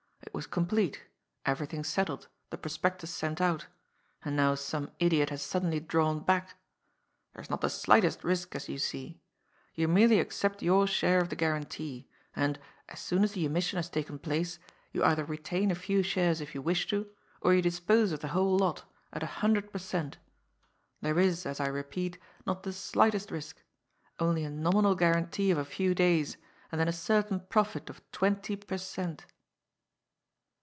" It was complete — everything set tled, the prospectus sent out — ^and now some idiot has suddenly drawn back. There is not the slightest risk, as WHY NOT! 243 you see. You merely accept your share of the guarantee, and, as soon as the emission has taken place, you either retain a few shares if you wish to, or you dispose of the whole lot, at a hundred per cent. There is, as I repeat, not the slightest risk. Only a nominal guarantee of a few days, and then a certain profit of twenty per cent."